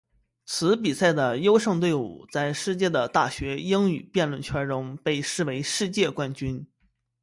此比赛的优胜队伍在世界的大学英语辩论圈中被视作世界冠军。